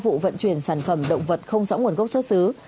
hai vụ vận chuyển sản phẩm động vật không rõ nguồn gốc chất xứ